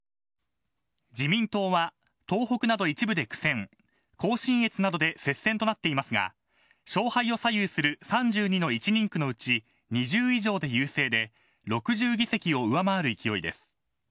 自民党は東北など一部で苦戦甲信越などで接戦となっていますが勝敗を左右する３２の１人区のうち２０以上で優勢で、６０議席を上回る勢いです。